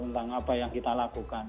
tentang apa yang kita lakukan